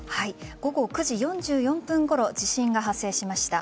午後９時４４分ごろ地震が発生しました。